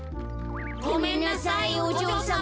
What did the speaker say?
ごめんなさいおじょうさま。